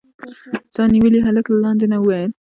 سا نيولي هلک له لاندې نه وويل.